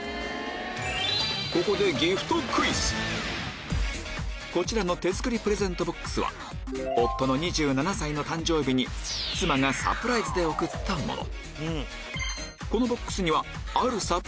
ここでこちらの手作りプレゼントボックスは夫の２７歳の誕生日に妻がサプライズで贈ったもの